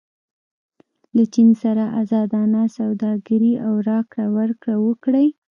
له چین سره ازادانه سوداګري او راکړه ورکړه وکړئ.